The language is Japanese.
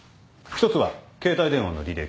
１つは携帯電話の履歴。